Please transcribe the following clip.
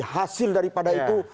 hasil daripada itu